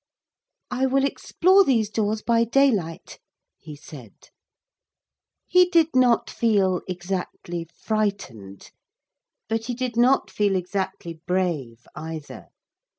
'I will explore these doors by daylight,' he said. He did not feel exactly frightened. But he did not feel exactly brave either.